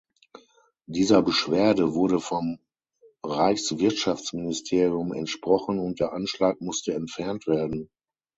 Dieser Beschwerde wurde vom Reichswirtschaftsministerium entsprochen, und der Anschlag musste entfernt werden.